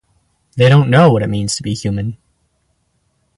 They don't know what it means to be human.